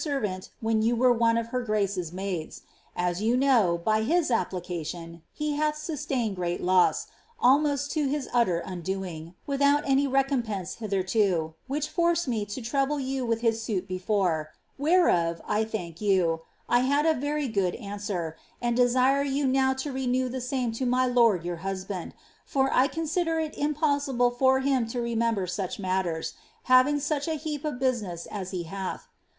•ervHnt wlien you wert one of her grant maidt. As you know, by his application, he hath sustained great lasii, almost to bis utter undoing, without auy recom pense hitherto, which forced me to trouble you with \n» suit before, whereof (I thmnk you) I had a very good answer, and desire you now to renew the same to my lord your husband, for I consider it impossible fur him to remember such matters, having such a hcnp of bu!>iness as he hath.